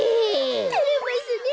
てれますねえ。